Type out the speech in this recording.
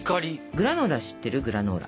グラノーラ知ってるグラノーラ？